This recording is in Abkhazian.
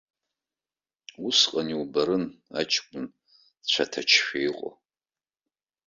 Усҟан иубарын аҷкәын цәаҭачшәа иҟоу!